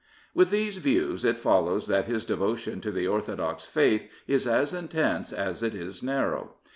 With these views it follows that his devotion to the Orthodox faith is as intense as it is narrow.